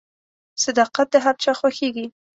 • صداقت د هر چا خوښیږي.